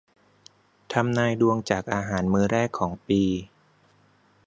ทำนายดวงจากอาหารมื้อแรกของปี